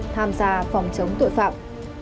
tham gia phòng chống tội phạm